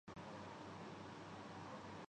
تم اس پر بھروسہ کیوں نہیں کرتے؟